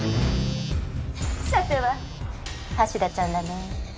さては橋田ちゃんだね。